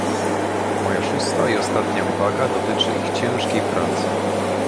Moja szósta i ostatnia uwaga dotyczy ich ciężkiej pracy